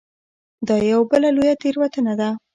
دا یوه بله لویه تېروتنه ده.